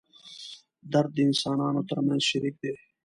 درد د انسانانو تر منځ شریک دی.